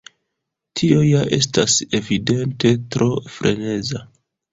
Tio ja estas evidente tro freneza!